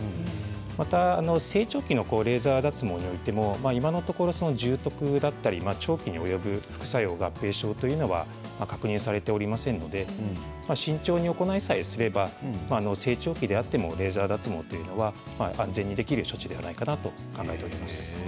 また成長期のレーザー脱毛においても今のところ重とくだったり長期に及ぶ副作用や合併症というのは確認されておりませんので慎重に行いさえすれば成長期でもレーザー脱毛というのは安全にできる処置ではないかなと考えております。